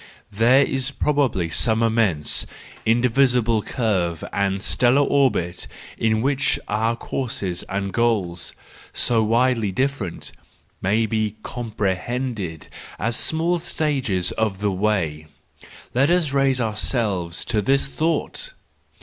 There is probably some immense, invisible curve and stellar orbit in which our courses and goals, so widely different, may be comprehended as small stages of the way,—let us raise ourselves to this thought!